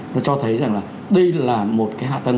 nó cho thấy rằng là đây là một cái hạt tăng